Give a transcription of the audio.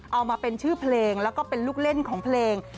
เอามาเป็นชื่อเพลงแล้วก็เป็นลูกเล่นของเพลง